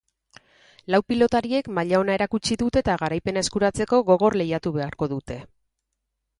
Lau pilotariek maila ona erakutsi dute eta garaipena eskuratzeko gogor lehiatu beharko dute.